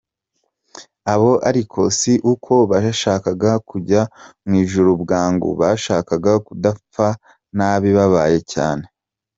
Abo ariko si uko bashakaga kujya mu ijuru bwangu, bashakaga kudapfa nabi babaye cyane.